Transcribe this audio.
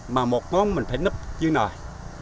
mà một ngón mình phải nấp dưới nồi